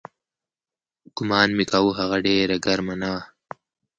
ګومان مې کاوه هغه ډېره ګرمه نه وه.